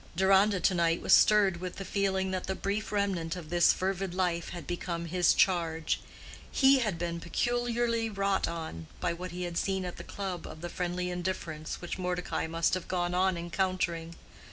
Deronda to night was stirred with the feeling that the brief remnant of this fervid life had become his charge. He had been peculiarly wrought on by what he had seen at the club of the friendly indifference which Mordecai must have gone on encountering.